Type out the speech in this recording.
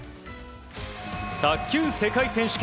卓球世界選手権。